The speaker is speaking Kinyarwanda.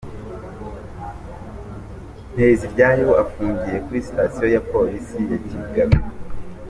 Nteziryayo afungiye kuri sitasiyo ya Polisi ya Kigabiro.